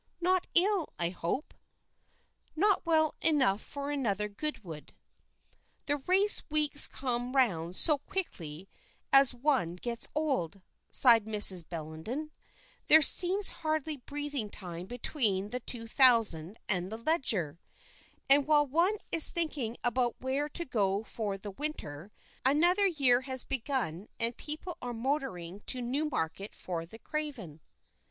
"Not ill, I hope?" "Not well enough for another Goodwood." "The race weeks come round so quickly as one gets old," sighed Mrs. Bellenden. "There seems hardly breathing time between the Two Thousand and the Leger and while one is thinking about where to go for the winter, another year has begun and people are motoring to Newmarket for the Craven."